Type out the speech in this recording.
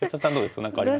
何かあります？